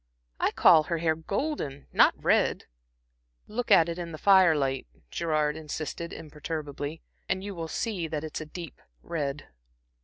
I call her hair golden, not red." "Look at it in the fire light," Gerard insisted imperturbably, "and you will see that it's a deep red."